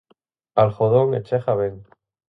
Algodón e chega ben.